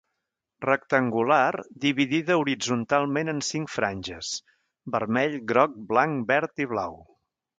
Rectangular dividida horitzontalment en cinc franges: vermell, groc, blanc, verd i blau.